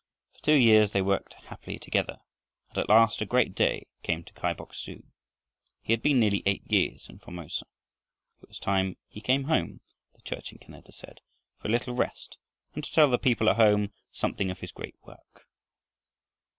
For two years they worked happily together and at last a great day came to Kai Bok su. He had been nearly eight years in Formosa. It was time he came home, the Church in Canada said, for a little rest and to tell the people at home something of his great work.